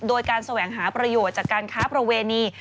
โดยการแสวงหาประโยชน์จากการค้าประเวณี